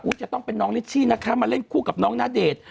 จะต้องเป็นน้องลิชชี่นะคะมาเล่นคู่กับน้องณเดชน์